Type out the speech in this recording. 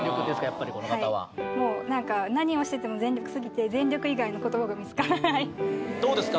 やっぱりこの方はもう何か何をしてても全力すぎて全力以外の言葉が見つからないどうですか？